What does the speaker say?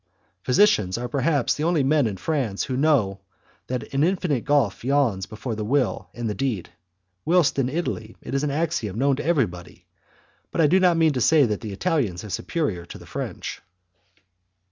Physicians are, perhaps, the only men in France who know that an infinite gulf yawns between the will and the deed, whilst in Italy it is an axiom known to everybody; but I do not mean to say that the Italians are superior to the French.